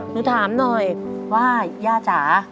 หนูถามหน่อยว่าย่าจ๋า